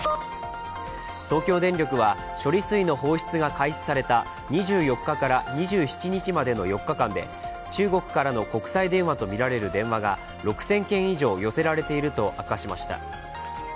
東京電力は、処理水の放出が開始された２４日から２７日までの４日間で中国からの国際電話とみられる電話が６０００件以上寄せられていると明かしました。